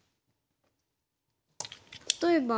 例えば。